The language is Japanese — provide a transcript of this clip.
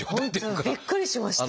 本当びっくりしました。